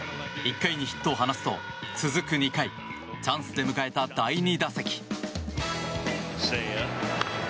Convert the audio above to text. １回にヒットを放つと続く２回チャンスで迎えた第２打席。